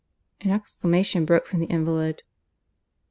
An exclamation broke from the invalid.